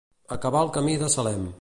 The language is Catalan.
Acabar al camí de Salem.